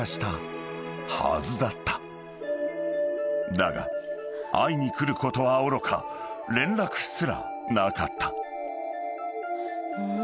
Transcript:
［だが会いに来ることはおろか連絡すらなかった］